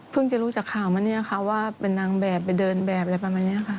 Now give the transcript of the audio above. จะรู้จากข่าวมาเนี่ยค่ะว่าเป็นนางแบบไปเดินแบบอะไรประมาณนี้ค่ะ